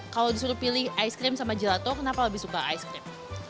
kalo disuruh pilih ice cream sama gelato kenapa lebih suka ice cream